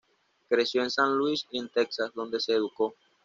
Creció en Saint-Louis y en Texas donde se educó.